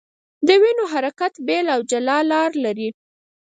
د وینو حرکت بېل او جلا لار لري.